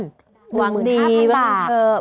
คือ๕๐๐๐๐๐บาทถามเหรอลองดีว่าจะขดประสาธิฟิศ